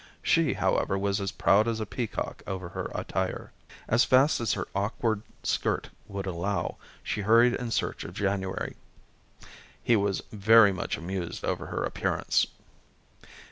She, however, was as proud as a peacock over her attire. As fast as her awkward skirt would allow, she hurried in search of January. He was very much amused over her appearance.